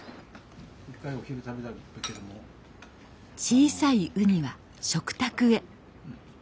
小さいウニは食卓へ。